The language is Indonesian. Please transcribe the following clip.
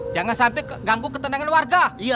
jangan sampai keganggu ketenangan warga iya